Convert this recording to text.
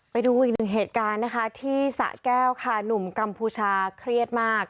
ไปดูอีกหนึ่งเหตุการณ์นะคะที่สะแก้วค่ะหนุ่มกัมพูชาเครียดมาก